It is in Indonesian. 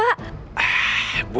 makanya ikut asurasi kesehatan bu